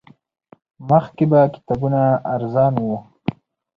مخکې به کتابونه ارزان وو